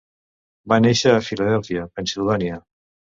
Va néixer a Filadèlfia, Pennsilvània.